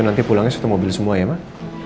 nanti pulangnya satu mobil semua ya pak